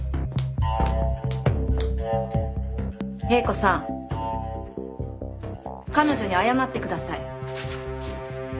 英子さん彼女に謝ってください。